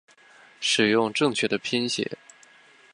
使用正确的拼写